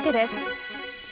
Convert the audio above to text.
続いてです。